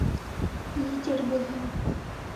Лидер булһын!